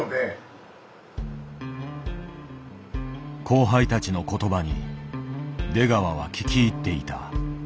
後輩たちの言葉に出川は聞き入っていた。